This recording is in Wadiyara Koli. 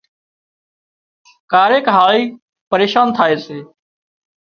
ڪاريڪ هاۯِي پريشان ٿائي سي